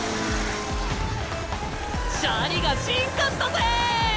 チャリが進化したぜ！